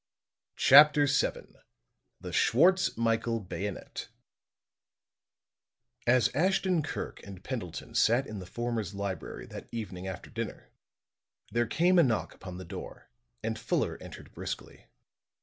CHAPTER VII THE SCHWARTZ MICHAEL BAYONET As Ashton Kirk and Pendleton sat in the former's library that evening after dinner, there came a knock upon the door and Fuller entered briskly.